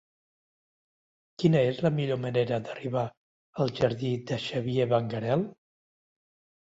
Quina és la millor manera d'arribar al jardí de Xavier Benguerel?